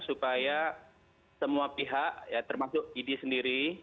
supaya semua pihak ya termasuk idi sendiri